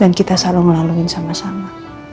dan kita selalu ngelaluin sama sama